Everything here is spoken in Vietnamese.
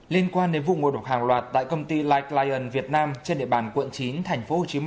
liên quan đến vụ ngộ độc hàng loạt tại công ty lighllian việt nam trên địa bàn quận chín tp hcm